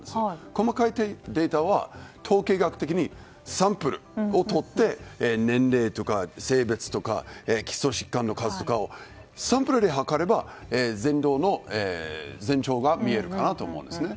細かいデータは統計学的にサンプルをとって年齢とか性別とか基礎疾患の数とかをサンプルをとれば全容が見えるかなと思うんですね。